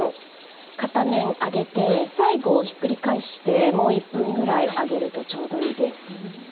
片面揚げて最後ひっくり返してもう１分ぐらい揚げるとちょうどいいです。